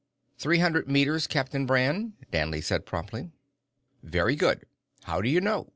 "Three hundred meters, Captain Brand," Danley said promptly. "Very good. How do you know?"